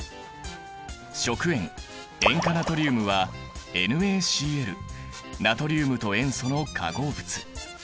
食塩塩化ナトリウムはＮａＣｌナトリウムと塩素の化合物。